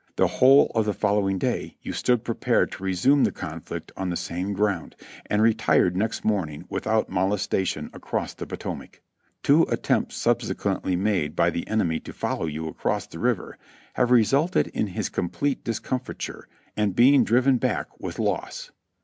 The whole of the following day you stood prepared to resume the conflict on the same ground, and retired next morning without molestation across the Potomac. Two attempts subsequently made by the enemy to follow you across the river have resulted in his complete discomfiture and being driven back with loss.